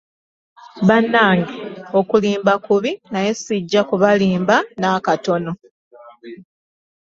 Bannange, okulimba kubi naye ssijja kubalimba n'akatono.